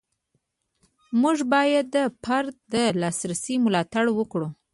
موږ باید د فرد د لاسرسي ملاتړ وکړو.